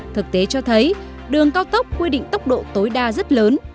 thực tế cho thấy đường cao tốc quy định tốc độ tối đa rất lớn